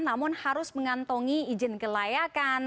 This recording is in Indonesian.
namun harus mengantongi izin kelayakan